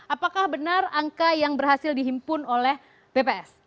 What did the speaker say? apakah benar angka yang berhasil dihimpun oleh bps